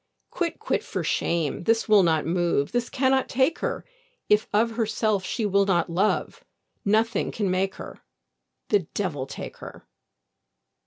Quit, quit, for shame, this will not move, This cannot take her; If of herself she will not love, Nothing can make her: The devil take her!